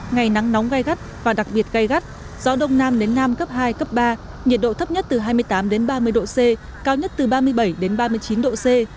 ngày nắng nóng gai gắt và đặc biệt gây gắt gió đông nam đến nam cấp hai cấp ba nhiệt độ thấp nhất từ hai mươi tám đến ba mươi độ c cao nhất từ ba mươi bảy ba mươi chín độ c